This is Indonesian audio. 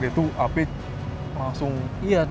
jadi itu api langsung cepat